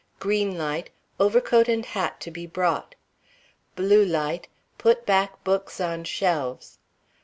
Green light Overcoat and hat to be brought. Blue light Put back books on shelves.